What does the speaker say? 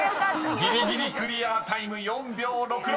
［ぎりぎりクリアタイム４秒６６］